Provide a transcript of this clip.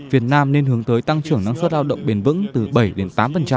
việt nam nên hướng tới tăng trưởng năng suất lao động bền vững từ bảy đến tám